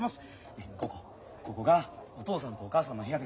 でここここがお父さんとお母さんの部屋です。